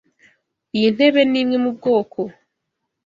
Iyi ntebe nimwe mubwoko.